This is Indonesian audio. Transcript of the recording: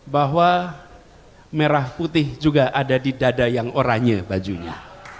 bahwa merah putih juga ada di dada yang oranye bajunya